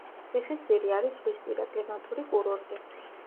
ციხისძირი არის ზღვისპირა კლიმატური კურორტი.